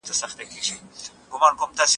ایا کوچني پلورونکي ممیز اخلي؟